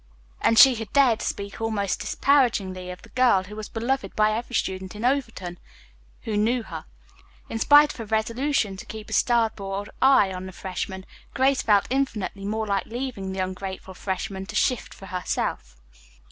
And she had dared to speak almost disparagingly of the girl who was beloved by every student in Overton who knew her. In spite of her resolution to keep a "starboard eye" on the freshman, Grace felt infinitely more like leaving the ungrateful freshman to shift for herself.